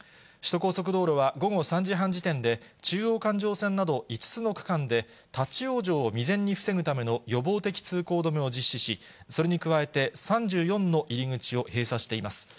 首都高速道路は午後３時半時点で、中央環状線など５つの区間で、立往生を未然に防ぐための予防的通行止めを実施し、それに加えて３４の入り口を閉鎖しています。